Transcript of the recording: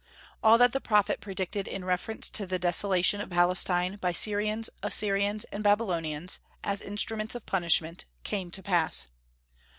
All that the prophet predicted in reference to the desolation of Palestine by Syrians, Assyrians, and Babylonians, as instruments of punishment, came to pass.